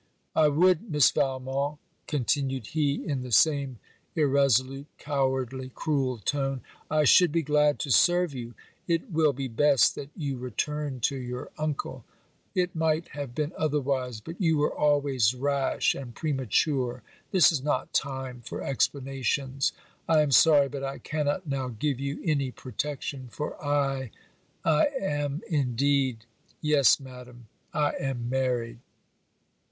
'I would, Miss Valmont 'continued he in the same irresolute, cowardly, cruel tone, 'I should be glad to serve you. It will be best that you return to your uncle. It might have been otherwise but you were always rash and premature. This is not time for explanations. I am sorry, but I cannot now give you any protection, for I I am, indeed Yes, Madam, I am married.'